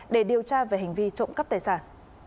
để điều tra về hành vi trộm cắp tài sản